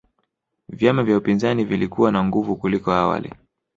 vyama vya upinzani vilikuwa na nguvu kuliko awali